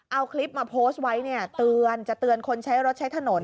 เอาคลิปมาโพสต์ไว้จะเตือนคนใช้รถใช้ถนน